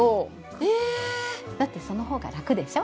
えっ⁉だってその方が楽でしょ？